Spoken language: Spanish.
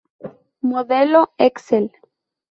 Modelo Excel.